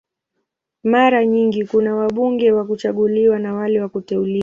Mara nyingi kuna wabunge wa kuchaguliwa na wale wa kuteuliwa.